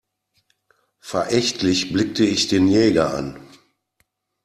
Verächtlich blickte ich den Jäger an.